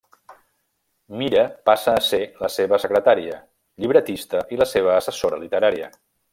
Mira passa a ser la seva secretària, llibretista, i la seva assessora literària.